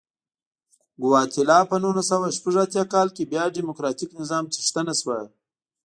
ګواتیلا په نولس سوه شپږ اتیا کال کې بیا ډیموکراتیک نظام څښتنه شوه.